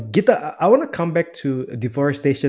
saya ingin kembali ke deforestasi